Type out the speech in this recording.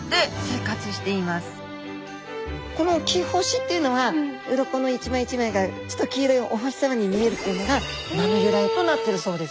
このキホシっていうのはうろこの一枚一枚が黄色いお星さまに見えるっていうのが名の由来となっているそうです。